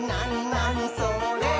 なにそれ？」